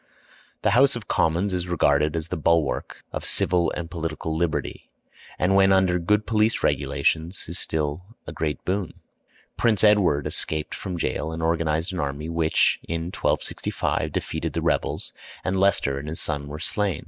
The House of Commons is regarded as the bulwark of civil and political liberty, and when under good police regulations is still a great boon. Prince Edward escaped from jail and organized an army, which in 1265 defeated the rebels, and Leicester and his son were slain.